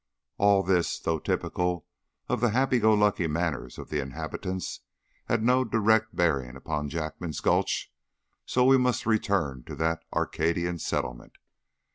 All this, though typical of the happy go lucky manners of the inhabitants, has no direct bearing upon Jackman's Gulch, so we must return to that Arcadian settlement.